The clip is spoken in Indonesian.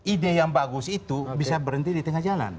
ide yang bagus itu bisa berhenti di tengah jalan